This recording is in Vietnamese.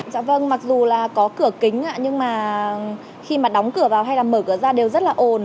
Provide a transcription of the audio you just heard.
dạ vâng mặc dù là có cửa kính nhưng mà khi mà đóng cửa vào hay là mở cửa ra đều rất là ồn